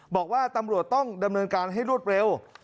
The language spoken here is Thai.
บอกว่าตำรวจต้องดำเนินการให้รวดเร็ว